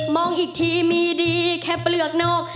อีกทีมีดีแค่เปลือกนอก